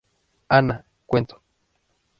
Ana, cuento.